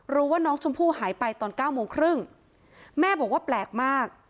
รู้ว่าน้องชมพู่หายไปตอนเก้าโมงครึ่งแม่บอกว่าแปลกมาก